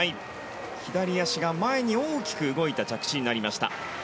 左足が前に大きく動いた着地になりました。